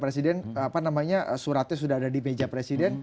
presiden kata presiden suratnya sudah ada di meja presiden